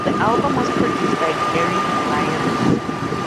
The album was produced by Gary Lyons.